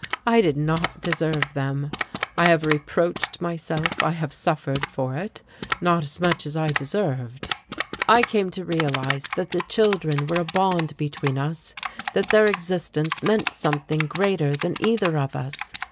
I did not deserve them. I have reproached myself, I have suffered for it, not as much as I deserved. I came to realize that the children were a bond between us, that their existence meant something greater than either of us.